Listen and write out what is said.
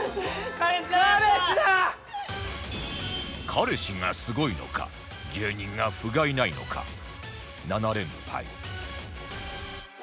彼氏がすごいのか芸人がふがいないのか７連敗